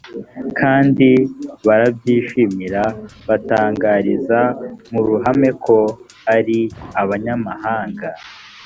kandi barabyishimira batangariza mu ruhame ko ari abanyamahanga